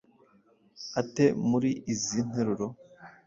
ate muri izi nteruro?